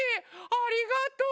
ありがとう。